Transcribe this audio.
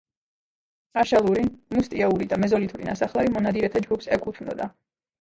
აშელური, მუსტიეური და მეზოლითური ნასახლარი მონადირეთა ჯგუფს ეკუთვნოდა.